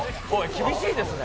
厳しいですね。